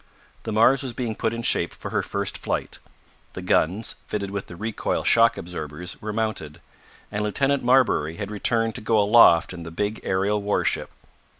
The Mars was being put in shape for her first flight. The guns, fitted with the recoil shock absorbers, were mounted, and Lieutenant Marbury had returned to go aloft in the big aerial warship.